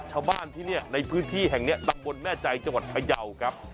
ชาวบ้านที่นี่ในพื้นที่แห่งนี้ตำบลแม่ใจจังหวัดพยาวครับ